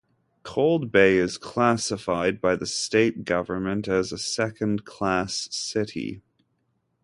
Cold Bay is classified by the state government as a second-class city.